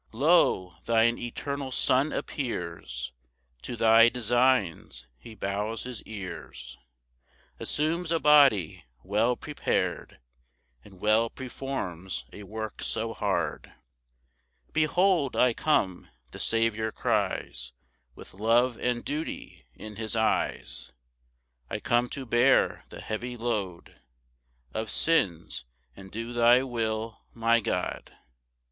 3 Lo! thine eternal Son appears, To thy designs he bows his ears, Assumes a body, well prepar'd, And well performs a work so hard. 4 "Behold, I come," (the Saviour cries, With love and duty in his eyes) "I come to bear the heavy load "Of sins, and do thy will, my God.